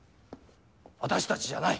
私たちじゃない。